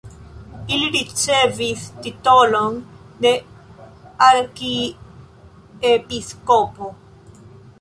Ili ricevis titolon de arkiepiskopo.